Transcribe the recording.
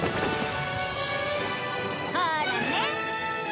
ほらね！